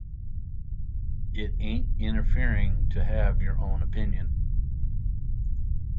It ain’t interfering to have your own opinion.